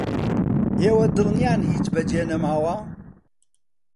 ئێوە دڵنیان هیچ بەجێ نەماوە؟